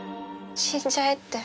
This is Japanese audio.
死んじゃえって。